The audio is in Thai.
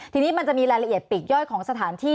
ทีนี้มันจะมีรายละเอียดปีกย่อยของสถานที่